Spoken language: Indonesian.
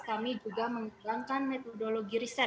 kami juga menghilangkan metodologi riset